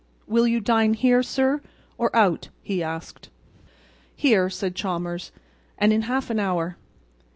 "Will you dine here, sir, or out?" he asked. "Here," said Chalmers, "and in half an hour."